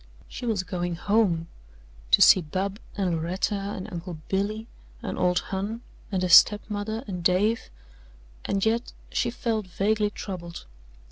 She was going home to see Bub and Loretta and Uncle Billy and "old Hon" and her step mother and Dave, and yet she felt vaguely troubled.